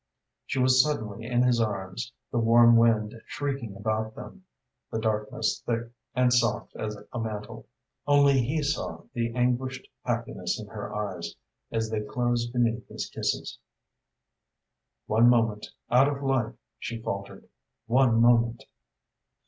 She was suddenly in his arms, the warm wind shrieking about them, the darkness thick and soft as a mantle. Only he saw the anguished happiness in her eyes as they closed beneath his kisses. "One moment out of life," she faltered, "one moment!"